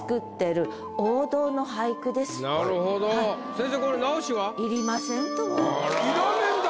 先生これ直しは？